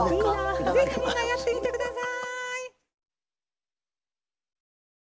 ぜひみんなやってみて下さい。